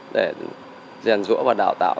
để rèn rũa và đào tạo